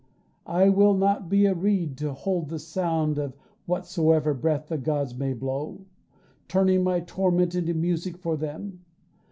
I will not be a reed to hold the sound Of whatsoever breath the gods may blow, Turning my torment into music for them.